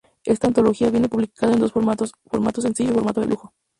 Esta antología viene publicada en dos formatos: formato sencillo y formato de lujo.